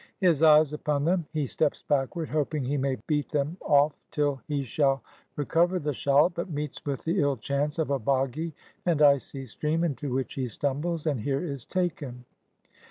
His eyes upon them, he steps backward, hoping he may beat them off till he shall recover the shallop, but meets with the m chance of a boggy and icy stream into which he stumbles, and here is taken.